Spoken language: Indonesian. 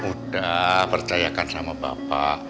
udah percayakan sama bapak